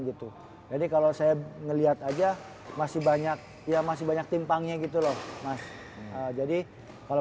gitu jadi kalau saya melihat aja masih banyak ya masih banyak timpangnya gitu loh mas jadi kalau